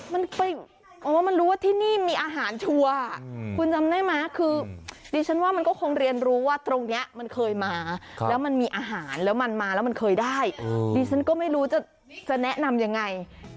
มันรู้ว่าที่นี่มีอาหารชัวร์คุณจำได้ไหมคือดิฉันว่ามันก็คงเรียนรู้ว่าตรงนี้มันเคยมาแล้วมันมีอาหารแล้วมันมาแล้วมันเคยได้ดิฉันก็ไม่รู้จะแนะนำยังไง